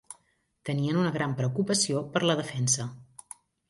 Tenien una gran preocupació per la defensa.